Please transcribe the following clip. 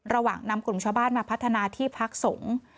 ระหว่างนำกลุ่มชาวบ้านมาพัฒนาที่พักสงฆ์